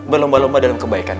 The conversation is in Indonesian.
berlomba lomba dalam kebaikan